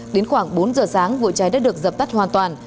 đến khoảng bốn giờ sáng vụ cháy đã được dập tắt hoàn toàn